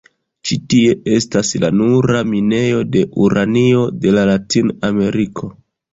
Ĉi tie estas la nura minejo de uranio de la Latin-Ameriko.